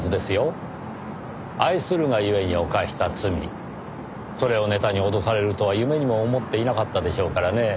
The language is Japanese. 愛するがゆえに犯した罪それをネタに脅されるとは夢にも思っていなかったでしょうからね。